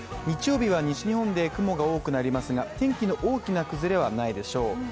日曜日は西日本で雲が多くなりますが、天気の大きな崩れはないでしょう。